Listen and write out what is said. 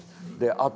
あと。